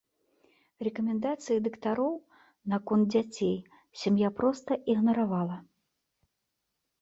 Рэкамендацыі дактароў наконт дзяцей сям'я проста ігнаравала.